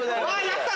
やった！